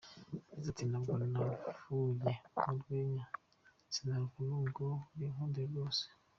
Yagize ati: “Ntabwo navuye mu rwenya, sinanaruvamo ngo binkundire rwose.